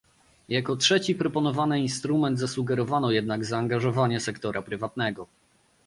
Jako trzeci proponowany instrument zasugerowano jednak zaangażowanie sektora prywatnego